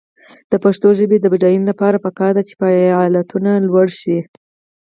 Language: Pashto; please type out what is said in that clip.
د پښتو ژبې د بډاینې لپاره پکار ده چې فعالیتونه لوړ شي.